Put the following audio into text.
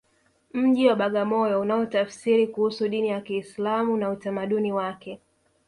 mji wa bagamoyo unaotafsiri kuhusu dini ya kiislamu na utamaduni wake